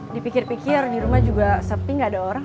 dipikir pikir di rumah juga sepi gak ada orang